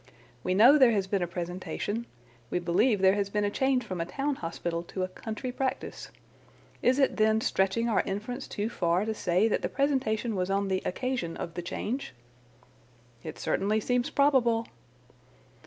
We know there has been a presentation. We believe there has been a change from a town hospital to a country practice. Is it, then, stretching our inference too far to say that the presentation was on the occasion of the change?" "It certainly seems probable."